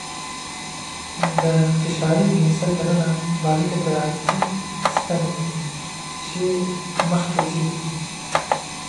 د فشاري پنسل دننه باریکه ګرافیتي ستنه وي چې مخکې ځي.